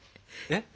えっ？